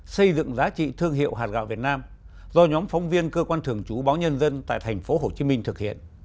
xây dựng giá trị thương hiệu hạt gạo việt nam do nhóm phóng viên cơ quan thường trú báo nhân dân tại tp hcm thực hiện